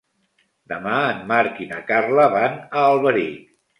Demà en Marc i na Carla van a Alberic.